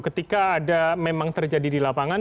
ketika ada memang terjadi di lapangan